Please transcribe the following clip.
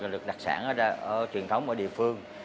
thủ đức có một sản phẩm nem đặc sản truyền thống ở địa phương